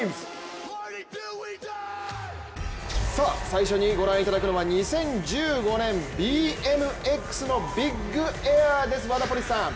最初にご覧いただくのは、２０１５年ＢＭＸのビッグエアです、ワダポリスさん。